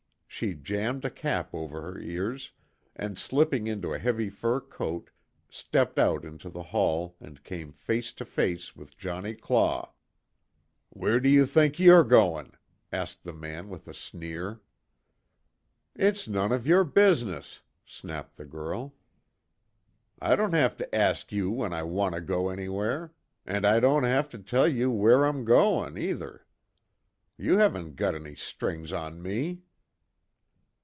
She jammed a cap over her ears and slipping into a heavy fur coat, stepped out into the hall and came face to face with Johnnie Claw. "Where do you think you're goin'?" asked the man with a sneer. "It's none of your business!" snapped the girl, "I don't have to ask you when I want to go anywhere and I don't have to tell you where I'm goin', either! You haven't got any strings on me!"